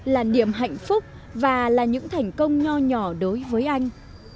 là điểm hạnh phúc và là những thành công nho nhỏ đối với anh